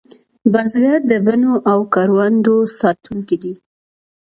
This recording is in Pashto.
بزګر د بڼو او کروندو ساتونکی دی